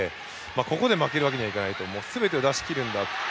ここで負けるわけにはいかないすべてを出し切るんだと。